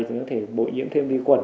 thì nó có thể bội nhiễm thêm vi quẩn